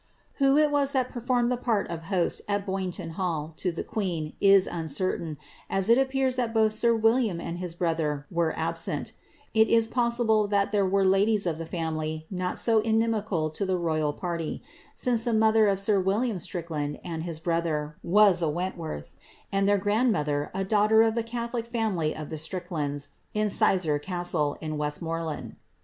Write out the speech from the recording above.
Who it was that performed the part of host at Boynton Hall to the queen, is uncertain, as it appears that both sir William and his brother were absent ; it is possible that there were ladies of the ftmily not so inimical to the royal party, since the mother of sir William Strickland and his brother was a Wentworth, and their grandmother a daughter of the catholic fomily of the Stricklands, of Sizergh Castle, in West moreland.